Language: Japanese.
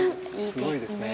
すごいですね。